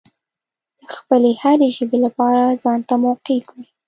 د خپلې هرې ژبې لپاره ځانته موقع ګوري.